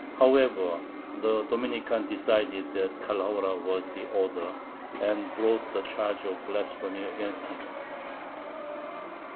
However, the Dominican decided that Calahora was the author, and brought the charge of blasphemy against him.